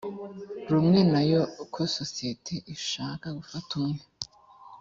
rumwe na yo ko sosiyete ishaka gufata umwe